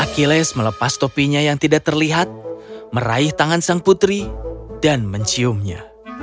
achilles melepas topinya yang tidak terlihat meraih tangan sang putri dan menciumnya